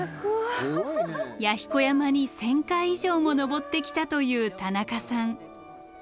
弥彦山に１，０００回以上も登ってきたという田中さん。